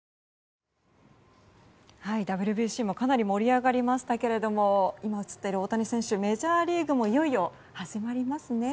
ＷＢＣもかなり盛り上がりましたが今、映っている大谷選手メジャーリーグもいよいよ始まりますね。